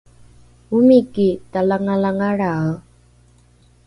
omiki talangalangalrae